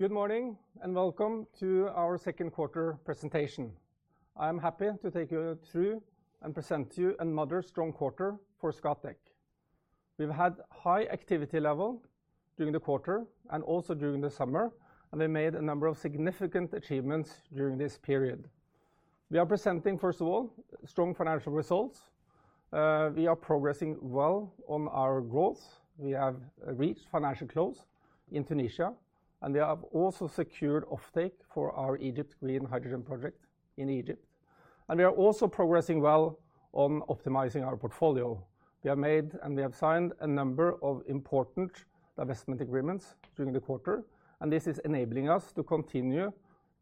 Good morning, and welcome to our Q2 presentation. I'm happy to take you through and present to you another strong quarter for Scatec. We've had high activity level during the quarter and also during the summer, and we made a number of significant achievements during this period. We are presenting, first of all, strong financial results. We are progressing well on our goals. We have reached financial close in Tunisia, and we have also secured offtake for our Egypt green hydrogen project in Egypt. And we are also progressing well on optimizing our portfolio. We have made, and we have signed a number of important divestment agreements during the quarter, and this is enabling us to continue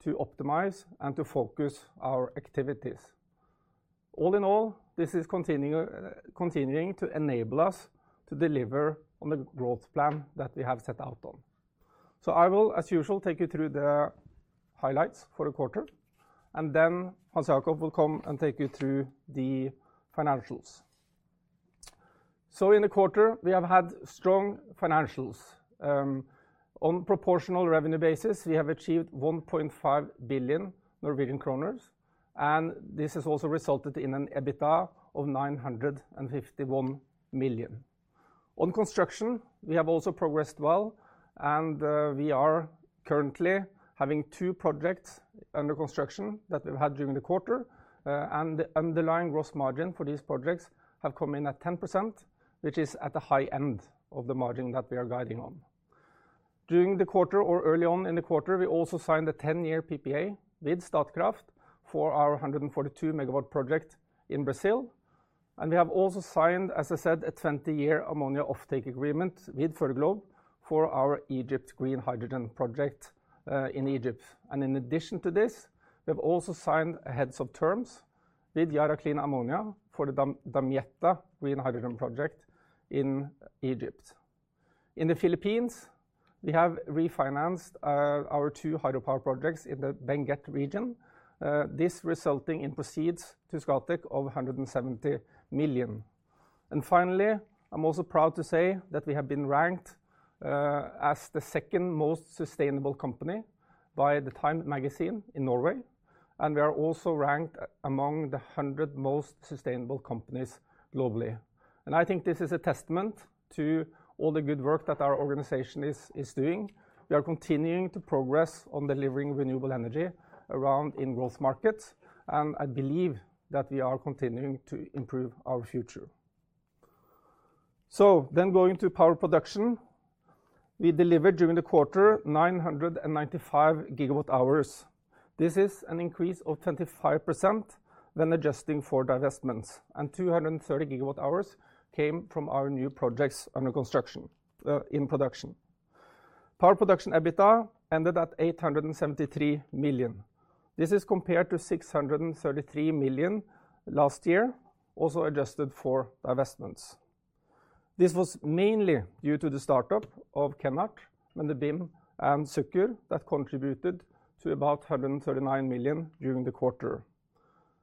to optimize and to focus our activities. All in all, this is continuing to enable us to deliver on the growth plan that we have set out on. So I will, as usual, take you through the highlights for the quarter, and then Hans Jakob will come and take you through the financials. So in the quarter, we have had strong financials. On proportional revenue basis, we have achieved 1.5 billion Norwegian kroner, and this has also resulted in an EBITDA of 951 million. On construction, we have also progressed well, and we are currently having two projects under construction that we've had during the quarter, and the underlying gross margin for these projects have come in at 10%, which is at the high end of the margin that we are guiding on. During the quarter or early on in the quarter, we also signed a 10-year PPA with Statkraft for our 142-megawatt project in Brazil, and we have also signed, as I said, a 20-year ammonia offtake agreement with Fertiglobe for our Egypt green hydrogen project in Egypt. In addition to this, we have also signed a heads of terms with Yara Clean Ammonia for the Damietta green hydrogen project in Egypt. In the Philippines, we have refinanced our two hydropower projects in the Benguet region, this resulting in proceeds to Scatec of 170 million. Finally, I'm also proud to say that we have been ranked as the second most sustainable company by the TIME magazine in Norway, and we are also ranked among the 100 most sustainable companies globally. I think this is a testament to all the good work that our organization is, is doing. We are continuing to progress on delivering renewable energy around in growth markets, and I believe that we are continuing to improve our future. Going to power production, we delivered during the quarter 995 GWh. This is an increase of 25% when adjusting for divestments, and 230 GWh came from our new projects under construction, in production. Power production EBITDA ended at 873 million. This is compared to 633 million last year, also adjusted for divestments. This was mainly due to the startup of Kenhardt, and the Mendubim and Sukkur that contributed to about 139 million during the quarter.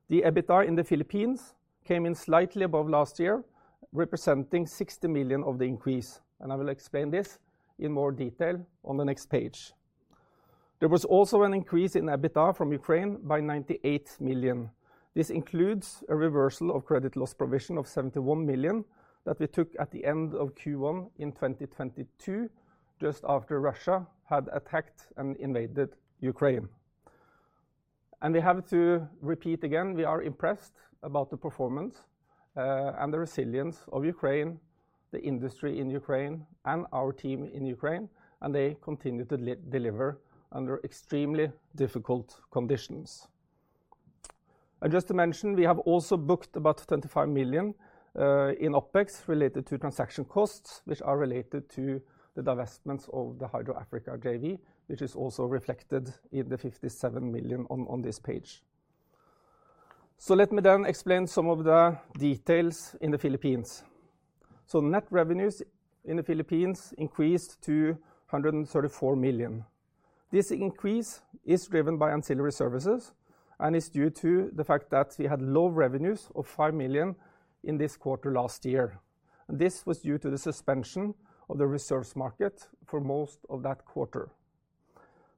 The EBITDA in the Philippines came in slightly above last year, representing 60 million of the increase, and I will explain this in more detail on the next page. There was also an increase in EBITDA from Ukraine by 98 million. This includes a reversal of credit loss provision of 71 million that we took at the end of Q1 in 2022, just after Russia had attacked and invaded Ukraine. We have to repeat again, we are impressed about the performance, and the resilience of Ukraine, the industry in Ukraine, and our team in Ukraine, and they continue to deliver under extremely difficult conditions. Just to mention, we have also booked about 25 million in OpEx related to transaction costs, which are related to the divestments of the Hydro Africa JV, which is also reflected in the 57 million on this page. So let me then explain some of the details in the Philippines. So net revenues in the Philippines increased to 134 million. This increase is driven by ancillary services and is due to the fact that we had low revenues of 5 million in this quarter last year. This was due to the suspension of the reserves market for most of that quarter.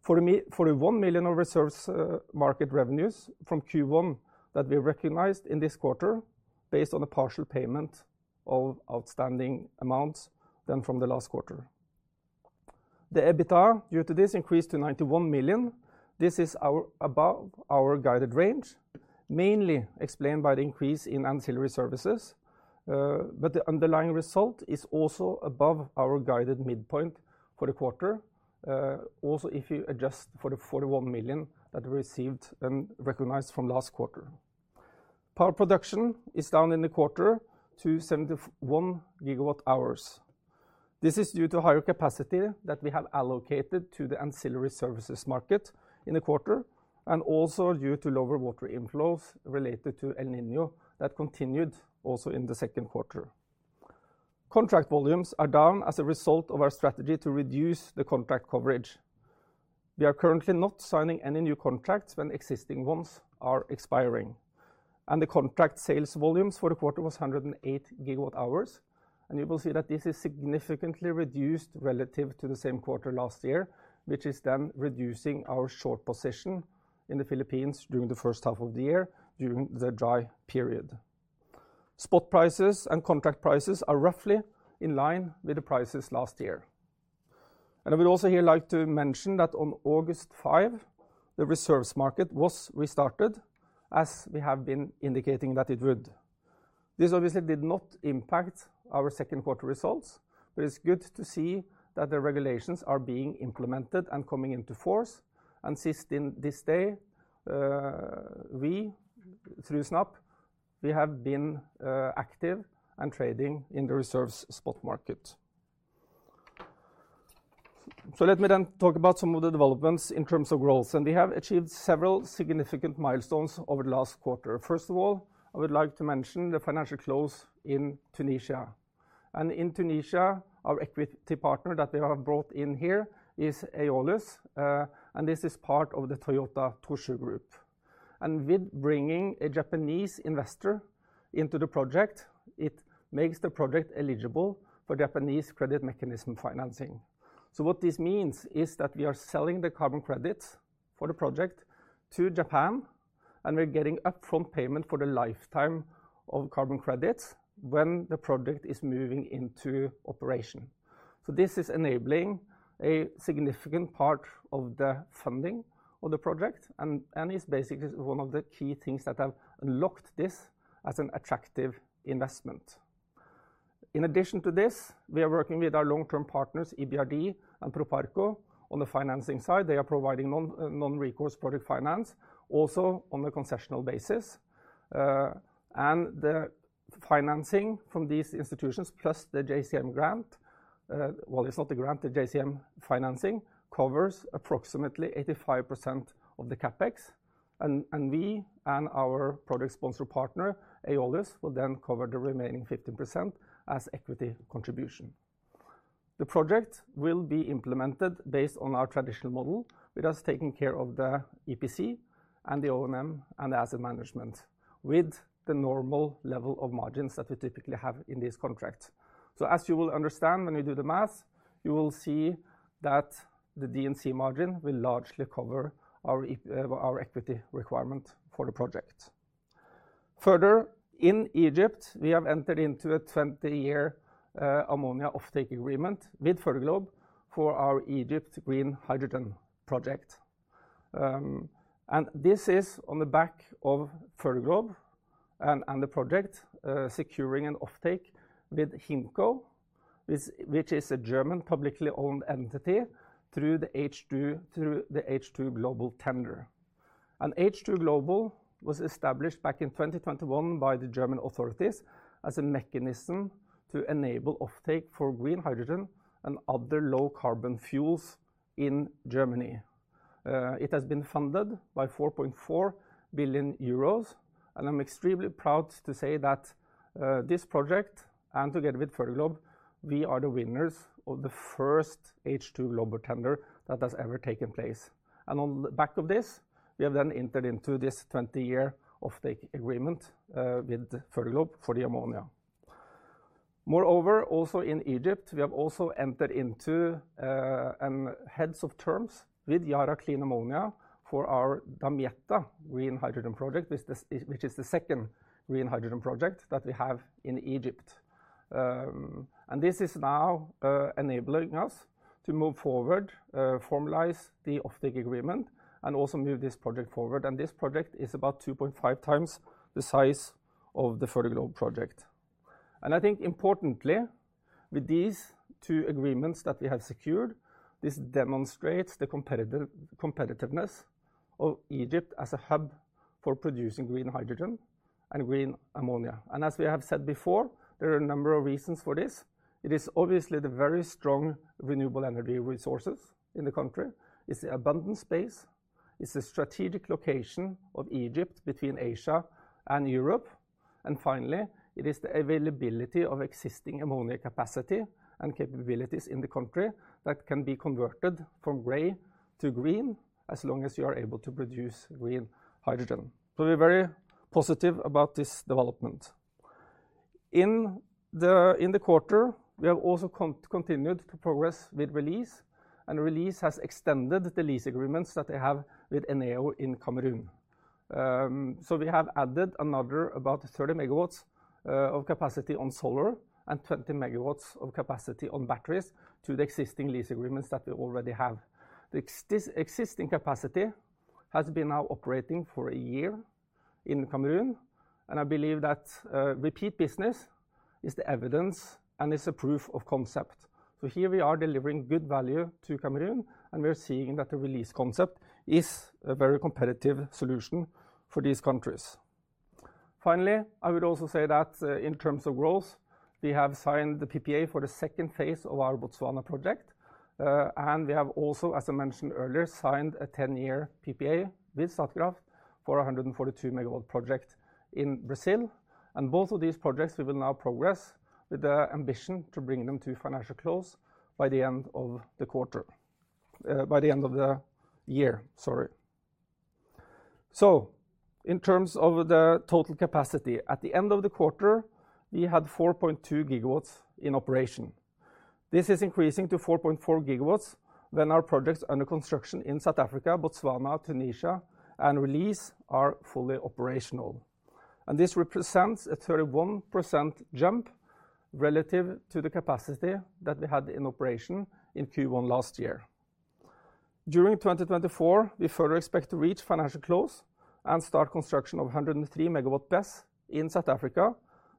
For the one million of reserves market revenues from Q1 that we recognized in this quarter, based on a partial payment of outstanding amounts than from the last quarter. The EBITDA due to this increased to 91 million. This is above our guided range, mainly explained by the increase in ancillary services, but the underlying result is also above our guided midpoint for the quarter, also, if you adjust for the 41 million that we received and recognized from last quarter. Power production is down in the quarter to 71 GWh. This is due to higher capacity that we have allocated to the ancillary services market in the quarter, and also due to lower water inflows related to El Niño that continued also in the Q2. Contract volumes are down as a result of our strategy to reduce the contract coverage. We are currently not signing any new contracts when existing ones are expiring. The contract sales volumes for the quarter was 108 GWh, and you will see that this is significantly reduced relative to the same quarter last year, which is then reducing our short position in the Philippines during the first half of the year during the dry period. Spot prices and contract prices are roughly in line with the prices last year. I would also here like to mention that on August 5, the reserves market was restarted, as we have been indicating that it would. This obviously did not impact our Q2 results, but it's good to see that the regulations are being implemented and coming into force. Since in this day, we, through SNAP, we have been active and trading in the reserves spot market. Let me then talk about some of the developments in terms of growth. We have achieved several significant milestones over the last quarter. First of all, I would like to mention the financial close in Tunisia. In Tunisia, our equity partner that they have brought in here is Aeolus, and this is part of the Toyota Tsusho Group. With bringing a Japanese investor into the project, it makes the project eligible for Japanese credit mechanism financing. So what this means is that we are selling the carbon credits for the project to Japan, and we're getting upfront payment for the lifetime of carbon credits when the project is moving into operation. So this is enabling a significant part of the funding of the project and is basically one of the key things that have unlocked this as an attractive investment. In addition to this, we are working with our long-term partners, EBRD and Proparco, on the financing side. They are providing non-recourse project finance also on the concessional basis. The financing from these institutions, plus the JCM Grant, well, it's not a grant, the JCM financing, covers approximately 85% of the CapEx, and we and our project sponsor partner, Aeolus, will then cover the remaining 15% as equity contribution. The project will be implemented based on our traditional model, with us taking care of the EPC and the O&M and the asset management, with the normal level of margins that we typically have in this contract. So as you will understand, when you do the math, you will see that the D&C margin will largely cover our equity requirement for the project. Further, in Egypt, we have entered into a 20-year ammonia offtake agreement with Fertiglobe for our Egypt green hydrogen project. And this is on the back of Fertiglobe and the project securing an offtake with HINT.CO, which is a German publicly owned entity, through the H2Global tender. H2Global was established back in 2021 by the German authorities as a mechanism to enable offtake for green hydrogen and other low carbon fuels in Germany. It has been funded by 4.4 billion euros, and I'm extremely proud to say that this project, and together with Fertiglobe, we are the winners of the first H2Global tender that has ever taken place. On the back of this, we have then entered into this 20-year offtake agreement with Fertiglobe for the ammonia. Moreover, also in Egypt, we have also entered into a heads of terms with Yara Clean Ammonia for our Damietta Green Hydrogen project, which is the second green hydrogen project that we have in Egypt. And this is now enabling us to move forward, formalize the offtake agreement, and also move this project forward. And this project is about 2.5 times the size of the Fertiglobe project. And I think importantly, with these two agreements that we have secured, this demonstrates the competitiveness of Egypt as a hub for producing green hydrogen and green ammonia. And as we have said before, there are a number of reasons for this. It is obviously the very strong renewable energy resources in the country, it's the abundant space, it's the strategic location of Egypt between Asia and Europe, and finally, it is the availability of existing ammonia capacity and capabilities in the country that can be converted from gray to green, as long as you are able to produce green hydrogen. So we're very positive about this development. In the quarter, we have also continued to progress with Release, and Release has extended the lease agreements that they have with Eneo in Cameroon. So we have added another about 30 MW of capacity on solar and 20 MW of capacity on batteries to the existing lease agreements that we already have. The existing capacity has been now operating for a year in Cameroon, and I believe that repeat business is the evidence and is a proof of concept. So here we are delivering good value to Cameroon, and we're seeing that the Release concept is a very competitive solution for these countries. Finally, I would also say that in terms of growth, we have signed the PPA for the second phase of our Botswana project. And we have also, as I mentioned earlier, signed a 10-year PPA with Statkraft for a 142-megawatt project in Brazil. And both of these projects, we will now progress with the ambition to bring them to financial close by the end of the quarter, by the end of the year, sorry. In terms of the total capacity, at the end of the quarter, we had 4.2 GW in operation. This is increasing to 4.4 GW when our projects under construction in South Africa, Botswana, Tunisia, and Release are fully operational. This represents a 31% jump relative to the capacity that we had in operation in Q1 last year. During 2024, we further expect to reach financial close and start construction of 103 MW BESS in South Africa,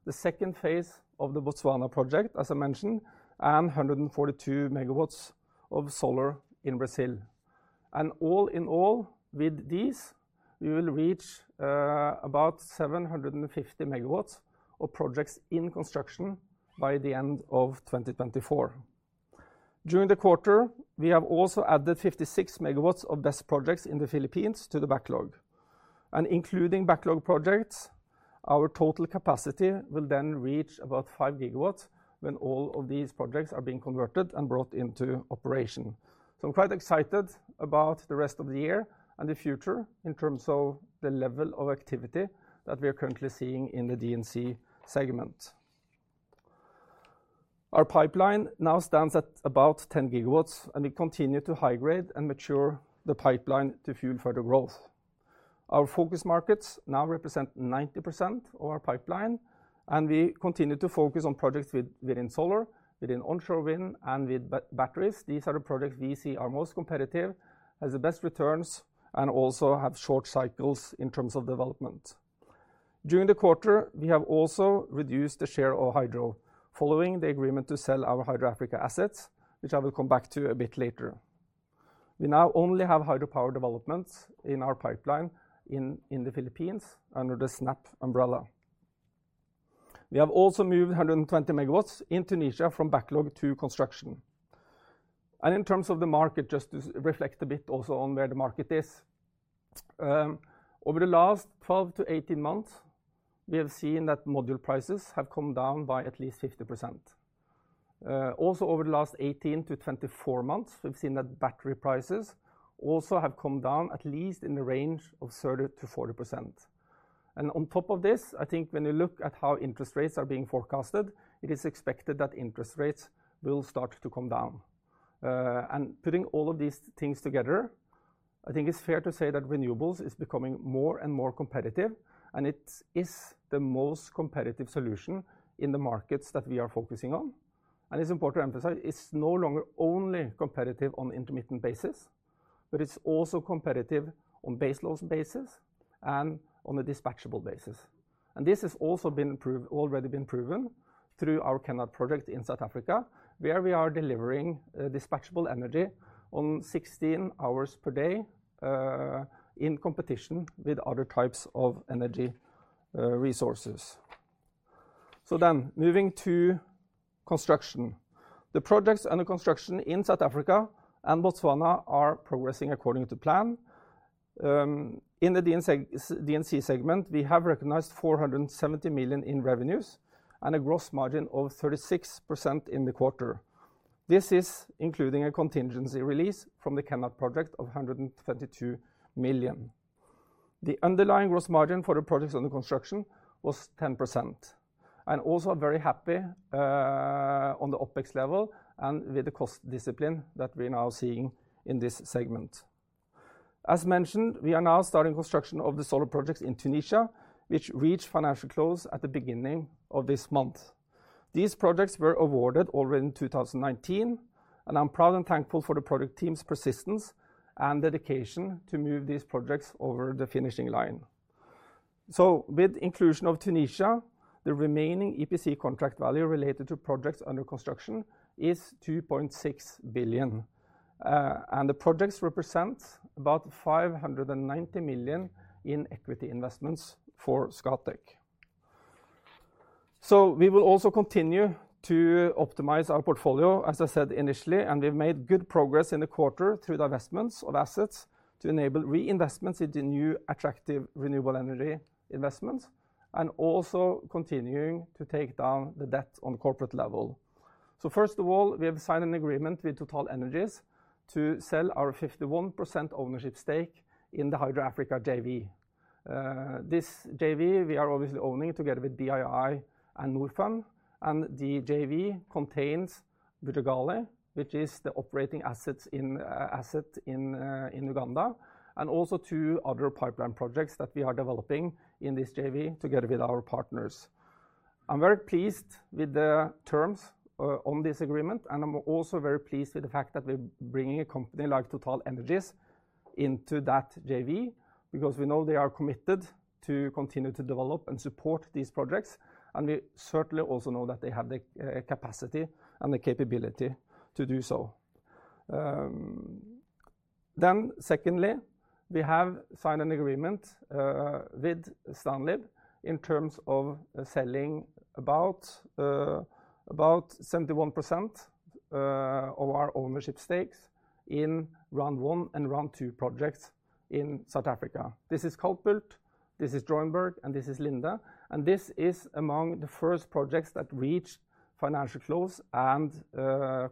the second phase of the Botswana project, as I mentioned, and 142 MW of solar in Brazil. All in all, with these, we will reach about 750 MW of projects in construction by the end of 2024. During the quarter, we have also added 56 MW of BESS projects in the Philippines to the backlog. Including backlog projects, our total capacity will then reach about 5 GW when all of these projects are being converted and brought into operation. So I'm quite excited about the rest of the year and the future in terms of the level of activity that we are currently seeing in the D&C segment. Our pipeline now stands at about 10 GW, and we continue to high-grade and mature the pipeline to fuel further growth. Our focus markets now represent 90% of our pipeline, and we continue to focus on projects within solar, within onshore wind, and with batteries. These are the projects we see are most competitive, has the best returns, and also have short cycles in terms of development. During the quarter, we have also reduced the share of hydro, following the agreement to sell our Hydro Africa assets, which I will come back to a bit later. We now only have hydropower developments in our pipeline in the Philippines under the SNAP umbrella. We have also moved 120 MW in Tunisia from backlog to construction. In terms of the market, just to reflect a bit also on where the market is, over the last 12-18 months, we have seen that module prices have come down by at least 50%. Also over the last 18-24 months, we've seen that battery prices also have come down at least in the range of 30%-40%. And on top of this, I think when you look at how interest rates are being forecasted, it is expected that interest rates will start to come down. And putting all of these things together, I think it's fair to say that renewables is becoming more and more competitive, and it is the most competitive solution in the markets that we are focusing on. And it's important to emphasize, it's no longer only competitive on intermittent basis, but it's also competitive on base loads basis and on a dispatchable basis. And this has also been proven through our Kenhardt project in South Africa, where we are delivering dispatchable energy on 16 hours per day in competition with other types of energy resources. So then moving to construction. The projects under construction in South Africa and Botswana are progressing according to plan. In the D&C segment, we have recognized 470 million in revenues and a gross margin of 36% in the quarter. This is including a contingency release from the Kenhardt project of 132 million. The underlying gross margin for the projects under construction was 10%, and also very happy on the OpEx level and with the cost discipline that we're now seeing in this segment. As mentioned, we are now starting construction of the solar projects in Tunisia, which reached financial close at the beginning of this month. These projects were awarded already in 2019, and I'm proud and thankful for the project team's persistence and dedication to move these projects over the finishing line. With inclusion of Tunisia, the remaining EPC contract value related to projects under construction is 2.6 billion, and the projects represent about 590 million in equity investments for Scatec. We will also continue to optimize our portfolio, as I said initially, and we've made good progress in the quarter through the divestments of assets to enable reinvestments into new, attractive, renewable energy investments, and also continuing to take down the debt on the corporate level. First of all, we have signed an agreement with TotalEnergies to sell our 51% ownership stake in the Hydro Africa JV. This JV, we are obviously owning together with BII and Norfund, and the JV contains Bujagali, which is the operating assets in Uganda, and also two other pipeline projects that we are developing in this JV together with our partners. I'm very pleased with the terms on this agreement, and I'm also very pleased with the fact that we're bringing a company like TotalEnergies into that JV, because we know they are committed to continue to develop and support these projects, and we certainly also know that they have the capacity and the capability to do so. Then secondly, we have signed an agreement with Stanlib in terms of selling about 71% of our ownership stakes in Round One and Round Two projects in South Africa. This is Kalkbult, this is Dreunberg, and this is Linde, and this is among the first projects that reach financial close and,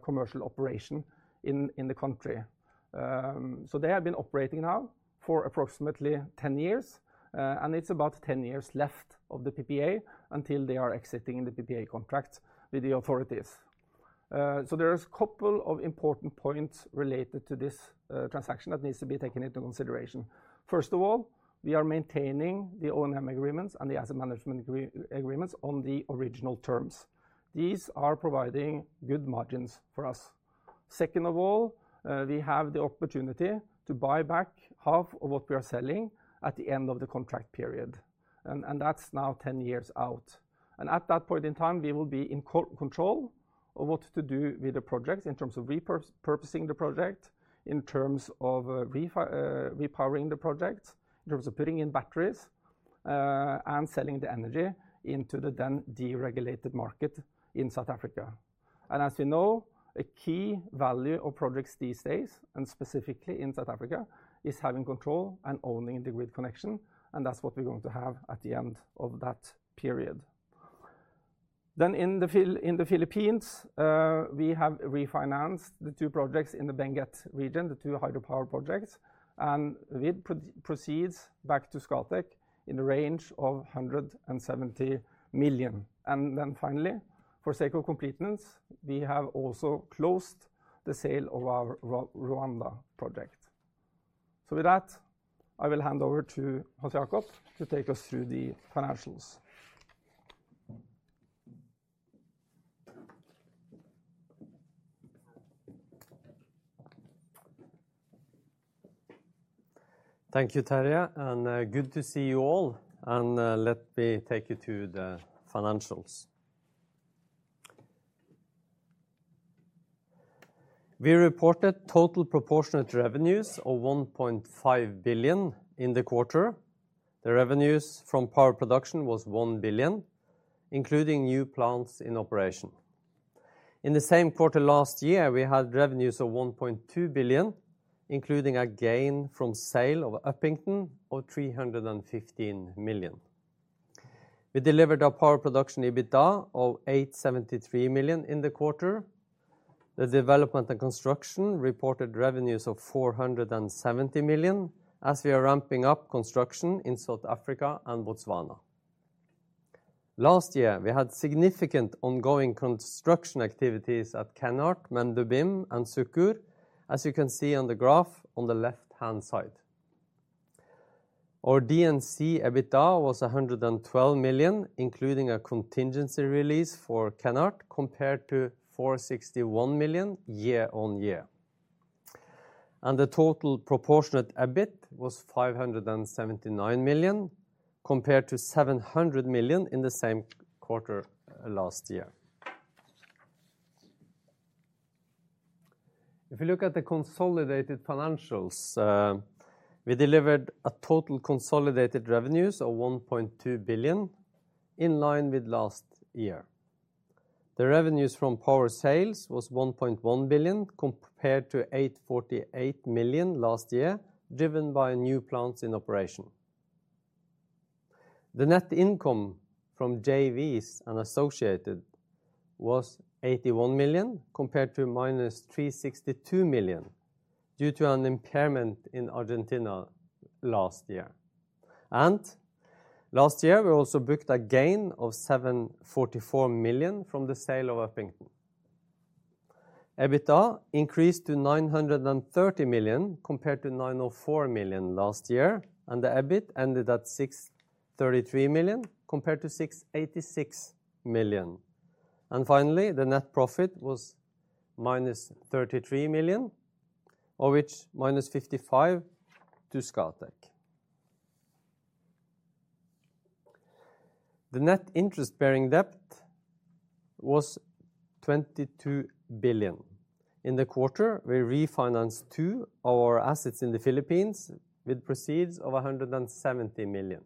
commercial operation in the country. So they have been operating now for approximately 10 years, and it's about 10 years left of the PPA until they are exiting the PPA contract with the authorities. So there is a couple of important points related to this transaction that needs to be taken into consideration. First of all, we are maintaining the O&M agreements and the asset management agreements on the original terms. These are providing good margins for us. Second of all, we have the opportunity to buy back half of what we are selling at the end of the contract period, and that's now 10 years out. At that point in time, we will be in co-control of what to do with the project in terms of repurposing the project, in terms of repowering the project, in terms of putting in batteries, and selling the energy into the then deregulated market in South Africa. And as you know, a key value of projects these days, and specifically in South Africa, is having control and owning the grid connection, and that's what we're going to have at the end of that period. In the Philippines, we have refinanced the two projects in the Benguet region, the two hydropower projects, and with proceeds back to Scatec in the range of 170 million. Finally, for the sake of completeness, we have also closed the sale of our Rwanda project. With that, I will hand over to Hans Jakob to take us through the financials. Thank you, Terje, and good to see you all, and let me take you through the financials. We reported total proportionate revenues of 1.5 billion in the quarter. The revenues from power production was 1 billion, including new plants in operation. In the same quarter last year, we had revenues of 1.2 billion, including a gain from sale of Upington of 315 million. We delivered a power production EBITDA of 873 million in the quarter. The development and construction reported revenues of 470 million, as we are ramping up construction in South Africa and Botswana. Last year, we had significant ongoing construction activities at Kenhardt, Mendubim and Sukkur, as you can see on the graph on the left-hand side. Our D&C EBITDA was 112 million, including a contingency release for Kenhardt, compared to 461 million year-on-year. The total proportionate EBIT was 579 million, compared to 700 million in the same quarter last year. If you look at the consolidated financials, we delivered a total consolidated revenues of 1.2 billion, in line with last year. The revenues from power sales was 1.1 billion, compared to 848 million last year, driven by new plants in operation. The net income from JVs and associated was 81 million, compared to minus 362 million, due to an impairment in Argentina last year. Last year, we also booked a gain of 744 million from the sale of Upington. EBITDA increased to 930 million, compared to 904 million last year, and the EBIT ended at 633 million, compared to 686 million. Finally, the net profit was -33 million, of which -55 million to Scatec. The net interest-bearing debt was 22 billion. In the quarter, we refinanced 2 of our assets in the Philippines, with proceeds of 170 million.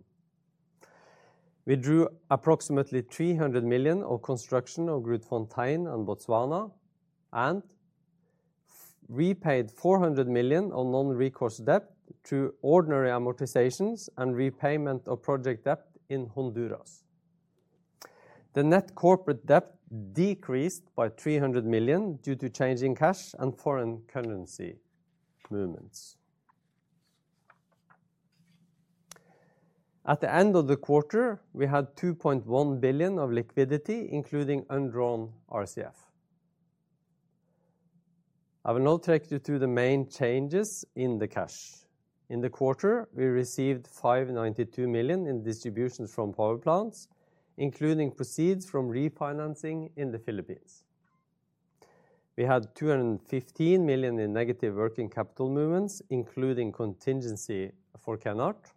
We drew approximately 300 million of construction of Grootfontein and Botswana, and repaid 400 million on non-recourse debt through ordinary amortizations and repayment of project debt in Honduras. The net corporate debt decreased by 300 million due to change in cash and foreign currency movements. At the end of the quarter, we had 2.1 billion of liquidity, including undrawn RCF. I will now take you through the main changes in the cash. In the quarter, we received 592 million in distributions from power plants, including proceeds from refinancing in the Philippines. We had 215 million in negative working capital movements, including contingency for Kenhardt,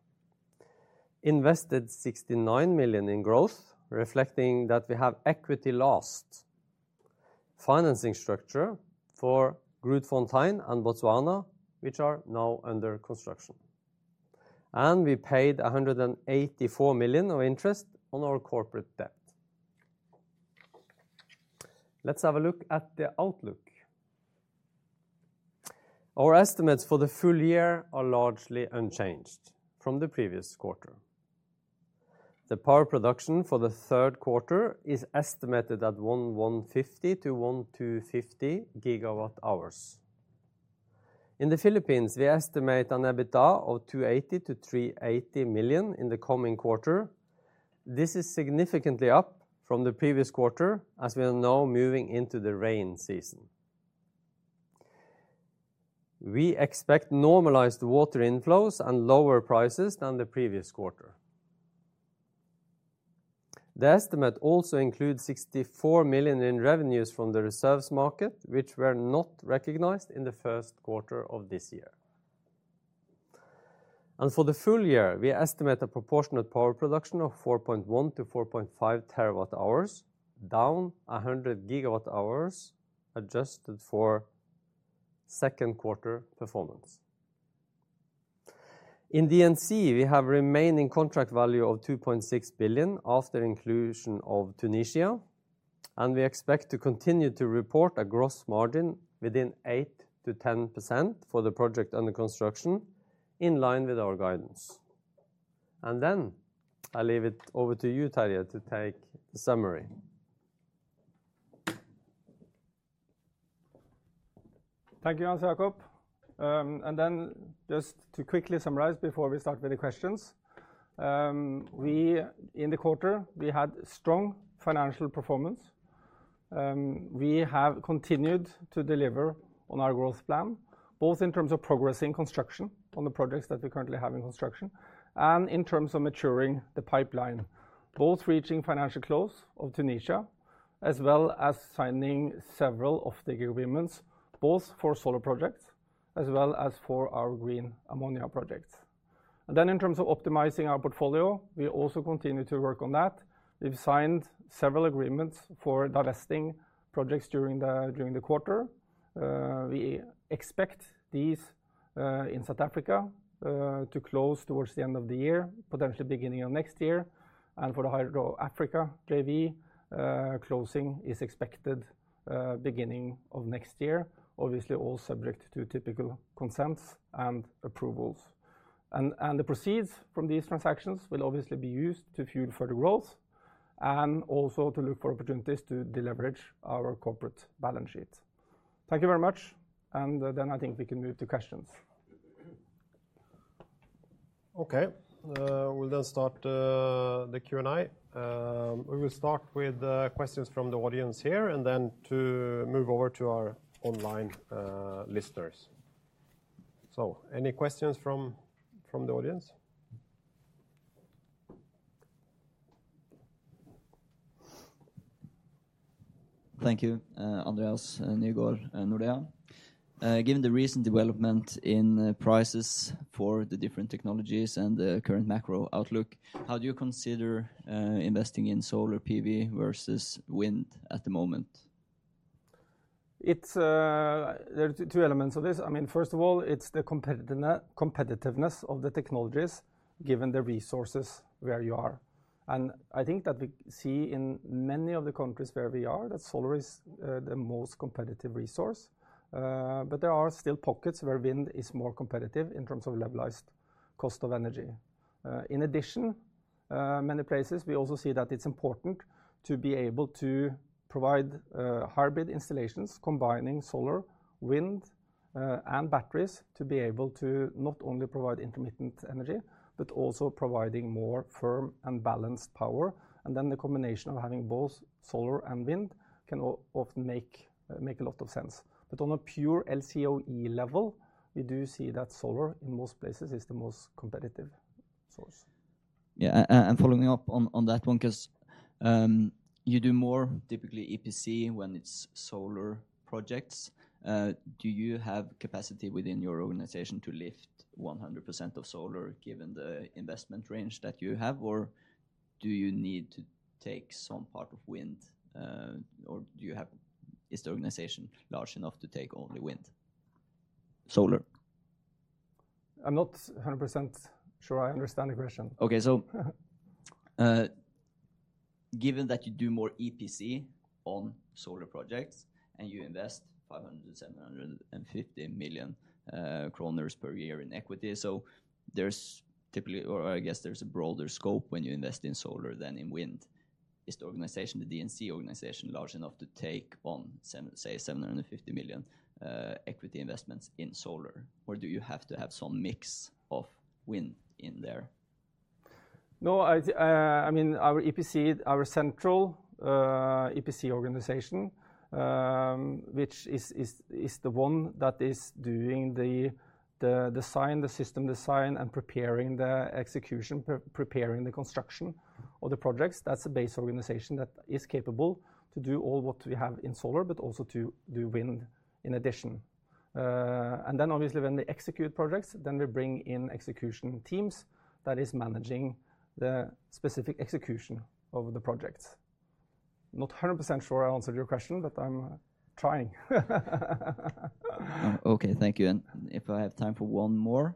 invested 69 million in growth, reflecting that we have equity-based financing structure for Grootfontein and Botswana, which are now under construction. We paid 184 million of interest on our corporate debt. Let's have a look at the outlook... Our estimates for the full year are largely unchanged from the previous quarter. The power production for the Q3 is estimated at 150-150 GWh. In the Philippines, we estimate an EBITDA of 280-380 million in the coming quarter. This is significantly up from the previous quarter, as we are now moving into the rain season. We expect normalized water inflows and lower prices than the previous quarter. The estimate also includes 64 million in revenues from the reserves market, which were not recognized in the Q1 of this year. For the full year, we estimate a proportionate power production of 4.1-4.5 TWh, down 100 GWh, adjusted for Q2 performance. In D&C, we have remaining contract value of 2.6 billion after inclusion of Tunisia, and we expect to continue to report a gross margin within 8%-10% for the projects under construction, in line with our guidance. Then I leave it over to you, Terje, to take the summary. Thank you, Hans Jakob. And then just to quickly summarize before we start with the questions. In the quarter, we had strong financial performance. We have continued to deliver on our growth plan, both in terms of progressing construction on the projects that we currently have in construction and in terms of maturing the pipeline, both reaching financial close of Tunisia, as well as signing several of the agreements, both for solar projects as well as for our green ammonia projects. And then in terms of optimizing our portfolio, we also continue to work on that. We've signed several agreements for divesting projects during the quarter. We expect these in South Africa to close towards the end of the year, potentially beginning of next year, and for the Hydro Africa JV, closing is expected beginning of next year. Obviously, all subject to typical consents and approvals. And, the proceeds from these transactions will obviously be used to fuel further growth and also to look for opportunities to deleverage our corporate balance sheet. Thank you very much, and then I think we can move to questions. Okay, we'll then start the Q&A. We will start with questions from the audience here and then to move over to our online listeners. So any questions from the audience? Thank you, Andreas Nygård, and Nordea. Given the recent development in prices for the different technologies and the current macro outlook, how do you consider investing in solar PV versus wind at the moment? It's. There are two elements of this. I mean, first of all, it's the competitiveness of the technologies, given the resources where you are. And I think that we see in many of the countries where we are, that solar is the most competitive resource. But there are still pockets where wind is more competitive in terms of levelized cost of energy. In addition, many places, we also see that it's important to be able to provide hybrid installations, combining solar, wind, and batteries, to be able to not only provide intermittent energy, but also providing more firm and balanced power. And then the combination of having both solar and wind can often make a lot of sense. But on a pure LCOE level, we do see that solar, in most places, is the most competitive source. Yeah, and following up on that one, 'cause you do more typically EPC when it's solar projects. Do you have capacity within your organization to lift 100% of solar, given the investment range that you have? Or do you need to take some part of wind, or do you have... Is the organization large enough to take only wind? Solar. I'm not 100% sure I understand the question. Okay, so, given that you do more EPC on solar projects, and you invest 500 million-750 million kroner per year in equity, so there's typically, or I guess there's a broader scope when you invest in solar than in wind. Is the organization, the D&C organization, large enough to take on seven, say, 750 million equity investments in solar, or do you have to have some mix of wind in there? No, I mean, our EPC, our central EPC organization, which is the one that is doing the design, the system design, and preparing the execution, preparing the construction of the projects, that's a base organization that is capable to do all what we have in solar, but also to do wind in addition. And then obviously, when we execute projects, then we bring in execution teams that is managing the specific execution of the projects. Not 100% sure I answered your question, but I'm trying. Okay, thank you. And if I have time for one more,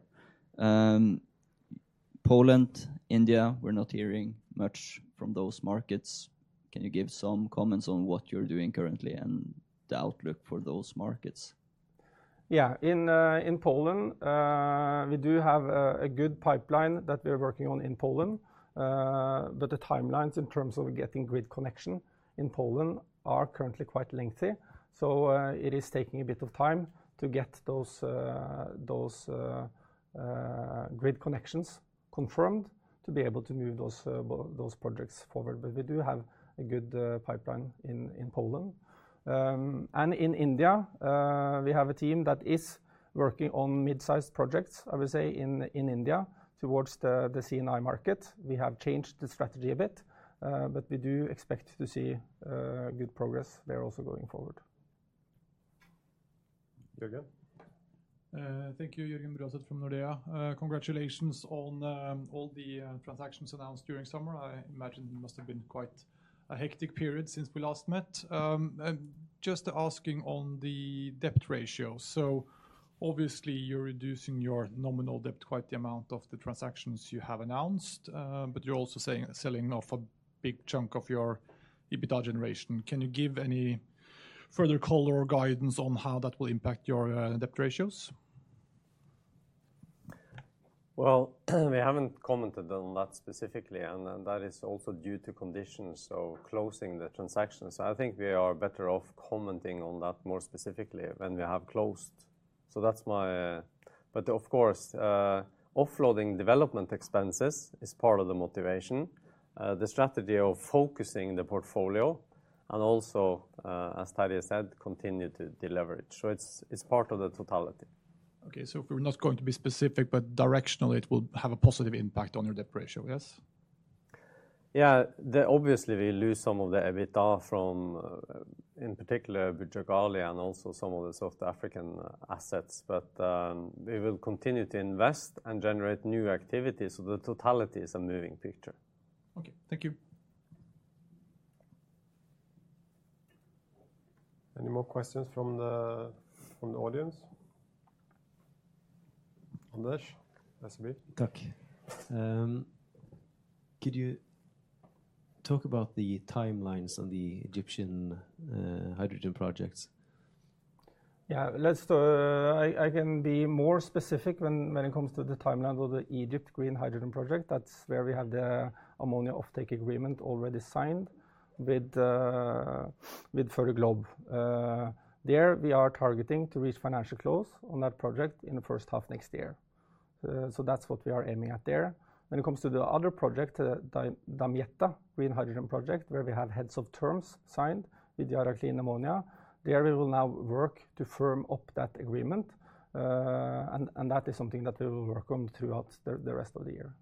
Poland, India, we're not hearing much from those markets. Can you give some comments on what you're doing currently and the outlook for those markets? Yeah. In Poland, we do have a good pipeline that we are working on in Poland. But the timelines in terms of getting grid connection in Poland are currently quite lengthy. So, it is taking a bit of time to get those grid connections confirmed to be able to move those projects forward. But we do have a good pipeline in Poland. And in India, we have a team that is working on mid-sized projects, I would say, in India, towards the C&I market. We have changed the strategy a bit, but we do expect to see good progress there also going forward. Jørgen? Thank you, Jørgen Bruaset from Nordea. Congratulations on all the transactions announced during summer. I imagine it must have been quite a hectic period since we last met. And just asking on the debt ratio. So obviously, you're reducing your nominal debt quite the amount of the transactions you have announced, but you're also saying—selling off a big chunk of your EBITDA generation. Can you give any further color or guidance on how that will impact your debt ratios? Well, we haven't commented on that specifically, and that is also due to conditions of closing the transactions. I think we are better off commenting on that more specifically when we have closed. So that's my. But of course, offloading development expenses is part of the motivation, the strategy of focusing the portfolio, and also, as Terje said, continue to deleverage. So it's part of the totality. Okay. So if we're not going to be specific, but directionally, it will have a positive impact on your debt ratio, yes? Yeah. Obviously, we lose some of the EBITDA from, in particular, Bujagali and also some of the South African assets, but we will continue to invest and generate new activities, so the totality is a moving picture. Okay, thank you. Any more questions from the audience? Anders, nice to meet. Takk. Could you talk about the timelines on the Egyptian hydrogen projects? Yeah, let's. I can be more specific when it comes to the timeline of the Egypt Green Hydrogen project. That's where we have the ammonia offtake agreement already signed with Fertiglobe. There, we are targeting to reach financial close on that project in the first half next year. So that's what we are aiming at there. When it comes to the other project, the Damietta Green Hydrogen project, where we have heads of terms signed with Yara Clean Ammonia, there we will now work to firm up that agreement. And that is something that we will work on throughout the rest of the year.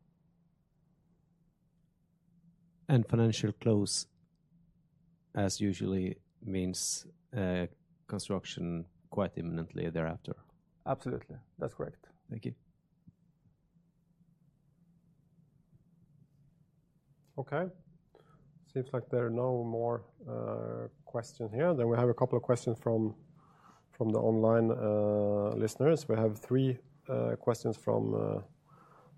Financial close, as usually means, construction quite imminently thereafter? Absolutely. That's correct. Thank you. Okay. Seems like there are no more questions here. Then we have a couple of questions from the online listeners. We have three questions from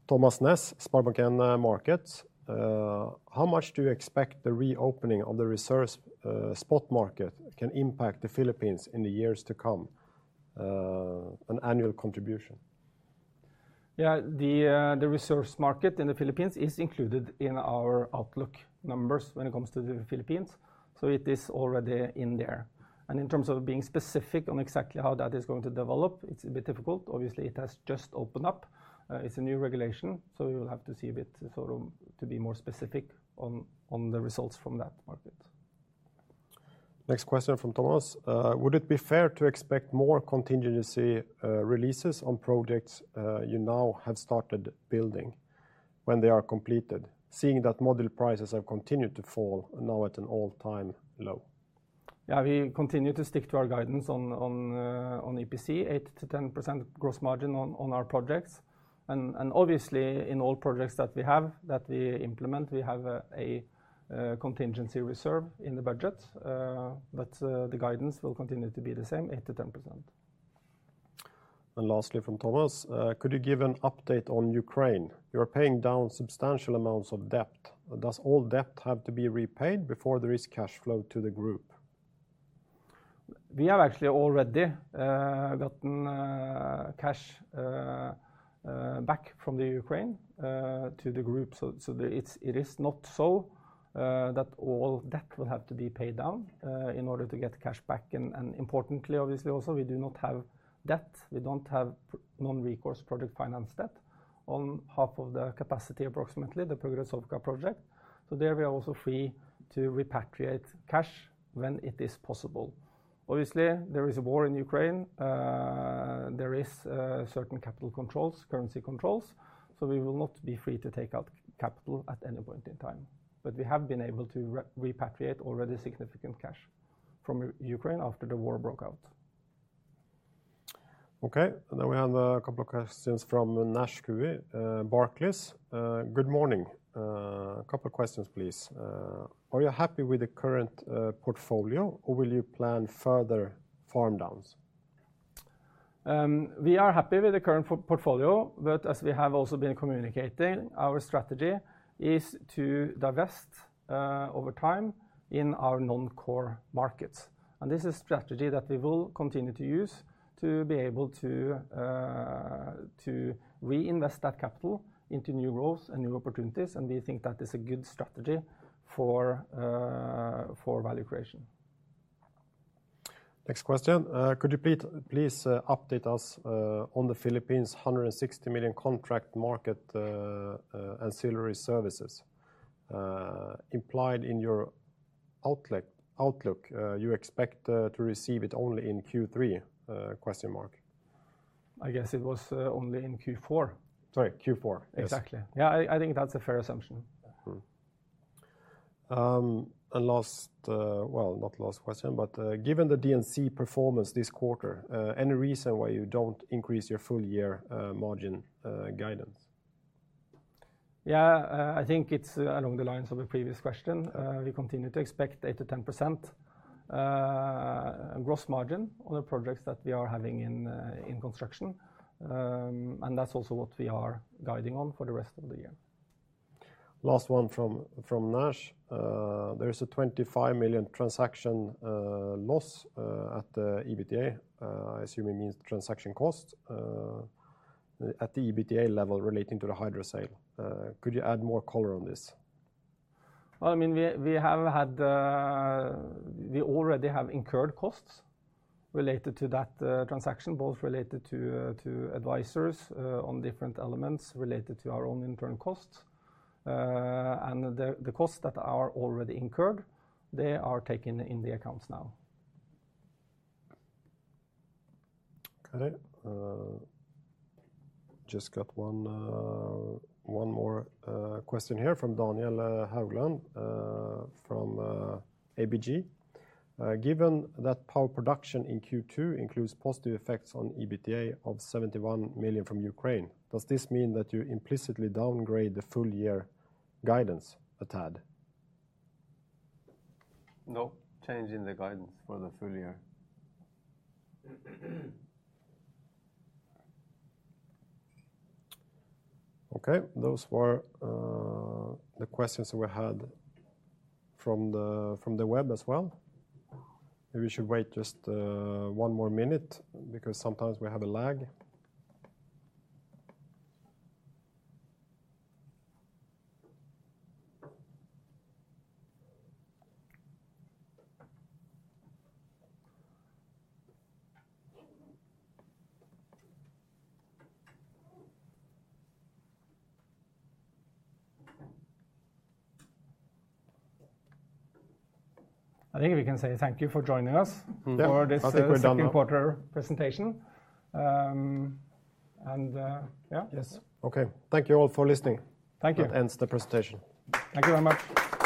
Thomas Næss, SpareBank 1 Markets. How much do you expect the reopening of the resource spot market can impact the Philippines in the years to come on annual contribution? Yeah, the resource market in the Philippines is included in our outlook numbers when it comes to the Philippines, so it is already in there. In terms of being specific on exactly how that is going to develop, it's a bit difficult. Obviously, it has just opened up. It's a new regulation, so we will have to see a bit, sort of, to be more specific on the results from that market. Next question from Thomas: Would it be fair to expect more contingency releases on projects you now have started building when they are completed, seeing that module prices have continued to fall and now at an all-time low? Yeah, we continue to stick to our guidance on EPC, 8%-10% gross margin on our projects. And obviously, in all projects that we have that we implement, we have a contingency reserve in the budget, but the guidance will continue to be the same, 8%-10%. And lastly, from Thomas: Could you give an update on Ukraine? You are paying down substantial amounts of debt. Does all debt have to be repaid before there is cash flow to the group? We have actually already gotten back from Ukraine to the group. So it is not so that all debt will have to be paid down in order to get cash back. And importantly, obviously, also, we do not have debt. We don't have non-recourse project finance debt on half of the capacity, approximately, the Progressovka project. So there we are also free to repatriate cash when it is possible. Obviously, there is a war in Ukraine. There is certain capital controls, currency controls, so we will not be free to take out capital at any point in time. But we have been able to repatriate already significant cash from Ukraine after the war broke out. Okay, and then we have a couple of questions from Nishant Kumar, Barclays. Good morning. A couple of questions, please. Are you happy with the current portfolio, or will you plan further farm downs? We are happy with the current portfolio, but as we have also been communicating, our strategy is to divest over time in our non-core markets. And this is strategy that we will continue to use to be able to reinvest that capital into new roles and new opportunities, and we think that is a good strategy for value creation. Next question. Could you please, please, update us on the Philippines $160 million contract market, ancillary services? Implied in your outlook, you expect to receive it only in Q3? I guess it was only in Q4. Sorry, Q4. Exactly. Yeah, I think that's a fair assumption. Mm-hmm. And last, well, not last question, but given the D&C performance this quarter, any reason why you don't increase your full year margin guidance? Yeah, I think it's along the lines of the previous question. We continue to expect 8%-10% gross margin on the projects that we are having in construction. And that's also what we are guiding on for the rest of the year. Last one from, from Nesh. There is a 25 million transaction loss at the EBITDA. I assume it means transaction costs at the EBITDA level relating to the hydro sale. Could you add more color on this? Well, I mean, we have had. We already have incurred costs related to that transaction, both related to advisors on different elements related to our own internal costs. And the costs that are already incurred, they are taken in the accounts now. Okay, just got one more question here from Daniel Haugland from ABG. Given that power production in Q2 includes positive effects on EBITDA of 71 million from Ukraine, does this mean that you implicitly downgrade the full year guidance a tad? No change in the guidance for the full year. Okay, those were the questions we had from the web as well. Maybe we should wait just one more minute because sometimes we have a lag. I think we can say thank you for joining us- Mm-hmm. Yeah, I think we're done now. For this, Q2 presentation. And, yeah, yes. Okay. Thank you all for listening. Thank you. That ends the presentation. Thank you very much.